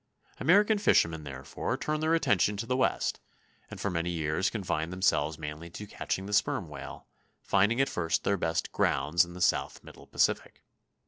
American fishermen therefore turned their attention to the West, and for many years confined themselves mainly to catching the sperm whale, finding at first their best "grounds" in the south middle Pacific.